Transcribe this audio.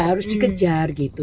harus dikejar gitu